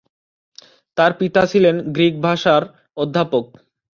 তাঁর পিতা ছিলেন গ্রিক ভাষার অধ্যাপক।